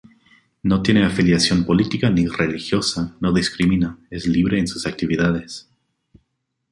No tiene afiliación política ni religiosa, no discrimina, es libre en sus actividades.